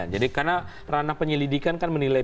jadi karena ranah penyelidikan kan menilai